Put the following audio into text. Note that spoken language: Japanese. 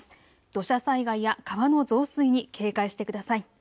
土砂災害や川の増水に警戒してください。